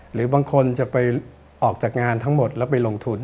หรือบางคนจะไปออกจากงานทั้งหมดแล้วไปลงทุน